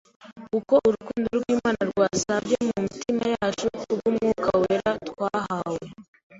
kuko urukundo rw'Imana rwasabye mu mitima yacu ku bw'Umwuka Wera twahawe."